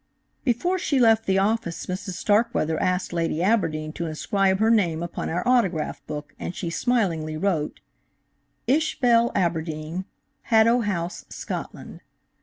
"Before she left the office Mrs. Starkweather asked Lady Aberdeen to inscribe her name upon our autograph book, and she smilingly wrote, 'Ishbel Aberdeen, Haddo House, Scotland.'